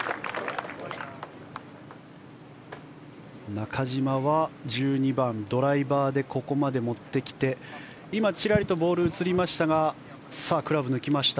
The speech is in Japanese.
中島は１２番、ドライバーでここまで持ってきて今、ちらりとボールが映りましたがクラブを抜きました。